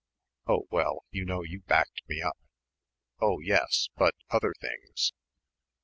"Oh well, you know you backed me up." "Oh yes, but other things...."